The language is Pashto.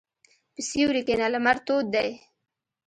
په سیوري کښېنه، لمر تود دی.